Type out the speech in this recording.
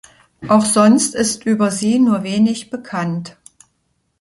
Auch sonst ist über sie nur wenig bekannt.